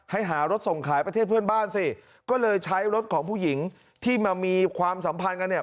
หารถส่งขายประเทศเพื่อนบ้านสิก็เลยใช้รถของผู้หญิงที่มามีความสัมพันธ์กันเนี่ย